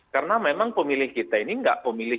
karena memang pemilih kita ini enggak pemilih